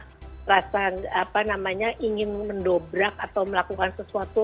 merasa ingin mendobrak atau melakukan sesuatu